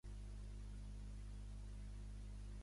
I a mi què com es diga, moniato!?